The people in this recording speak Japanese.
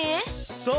そう。